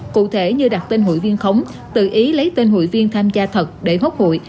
cụ thể như đặt tên hội viên khống tự ý lấy tên hội viên tham gia thật để hốt hội